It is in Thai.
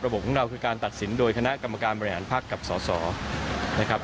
ของเราคือการตัดสินโดยคณะกรรมการบริหารภักดิ์กับสสนะครับ